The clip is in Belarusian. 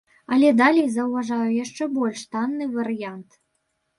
Але далей заўважаю яшчэ больш танны варыянт.